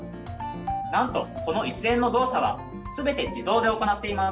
なんとこの一連の動作は全て自動で行っています。